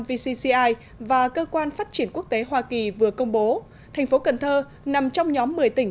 vcci và cơ quan phát triển quốc tế hoa kỳ vừa công bố thành phố cần thơ nằm trong nhóm một mươi tỉnh